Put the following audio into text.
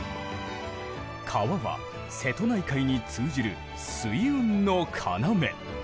川は瀬戸内海に通じる水運の要。